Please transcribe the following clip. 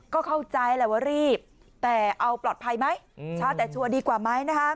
ก็เข้าใจแหละว่ารีบแต่เอาปลอดภัยไหมช้าแต่ชัวร์ดีกว่าไหม